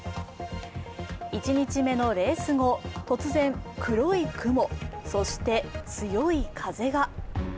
１日目のレース後突然、黒い雲、そして強い風が。